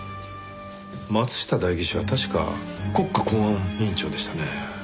松下代議士は確か国家公安委員長でしたね。